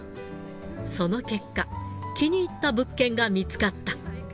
その結果、気に入った物件が見つかった。